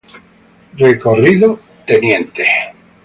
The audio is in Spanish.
Recorrido: Tte.